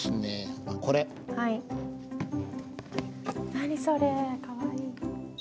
何それかわいい。